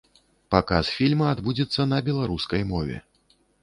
Паказ фільма адбудзецца на беларускай мове.